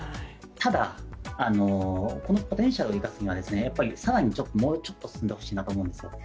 ただ、このポテンシャルを生かすには更にもうちょっと進んでほしいなと思うんですよ